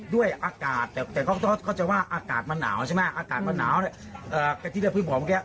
ด้วยอากาศแต่ก็จะว่าอากาศมันหนาวใช่ไหมอากาศมันหนาวเนี่ย